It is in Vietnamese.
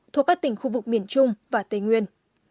thuộc các tỉnh khu vực miền trung và tây nguyên